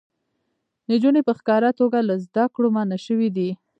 نجونې په ښکاره توګه له زده کړو منع شوې دي.